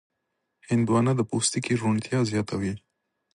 هندوانه د پوستکي روڼتیا زیاتوي.